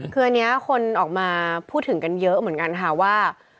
คืออันนี้คนออกมาพูดถึงกันเยอะเหมือนกันค่ะว่า